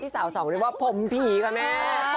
สาวสองเรียกว่าผมผีค่ะแม่